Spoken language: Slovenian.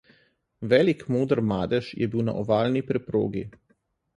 Velik moker madež je bil na ovalni preprogi.